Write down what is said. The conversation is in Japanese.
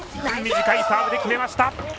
短いサーブで決めました！